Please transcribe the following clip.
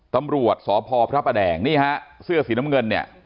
ตำรวจสพพระประแดงนี่ฮะเสื้อสีน้ำเงินเนี่ย